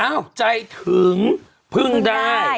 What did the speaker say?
อ้าวใจถึงพึ่งด้าย